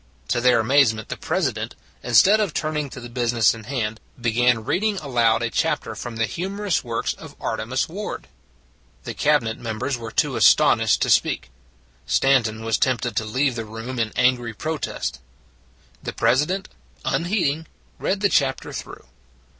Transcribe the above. To their amazement, the President, instead of 198 We Shall Win 199 turning to the business in hand, began read ing aloud a chapter from the humorous works of Artemus Ward. The Cabinet members were too aston ished to speak: Stanton was tempted to leave the room in angry protest. The President, unheeding, read the chap ter through.